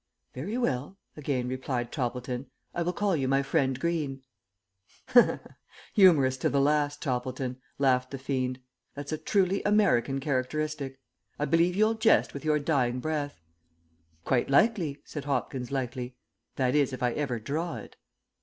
"Very well," again replied Toppleton. "I will call you my friend Greene." "Humorous to the last, Toppleton," laughed the fiend. "That's a truly American characteristic. I believe you'll jest with your dying breath." "Quite likely," said Hopkins, lightly. "That is if I ever draw it."